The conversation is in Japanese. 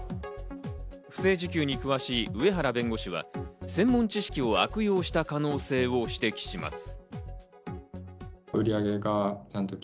不正受給に詳しい上原弁護士は専門知識を悪用した可能性を指摘します。